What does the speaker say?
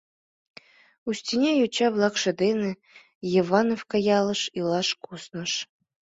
Устиня йоча-влакше дене Йывановка ялыш илаш кусныш.